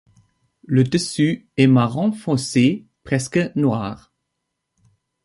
Le dessus est marron foncé presque noir.